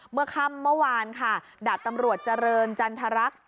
เมื่อค่ำเมื่อวานค่ะดาบตำรวจเจริญจันทรรักษ์